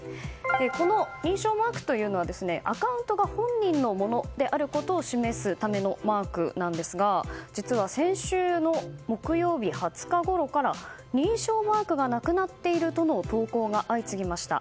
この認証マークというのはアカウントが本人のものであることを示すためのマークなんですが、実は先週の木曜日、２０日ごろから認証マークがなくなっているとの投稿が相次ぎました。